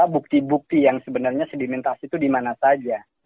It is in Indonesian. bukti bukti yang sebenarnya sedimentasi itu dimana saja